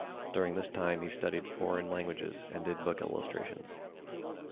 During this time he studied foreign languages and did book illustrations.